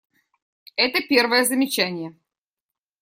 Это первое замечание.